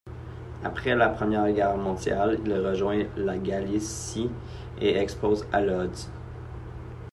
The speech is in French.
Après la Première Guerre mondiale, il rejoint la Galicie et expose à Lodz.